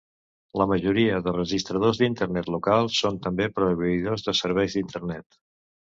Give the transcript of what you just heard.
La majoria de registradors d'internet local són també proveïdors de serveis d'internet.